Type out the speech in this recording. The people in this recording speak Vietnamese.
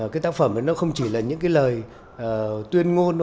cái tác phẩm ấy nó không chỉ là những cái lời tuyên ngôn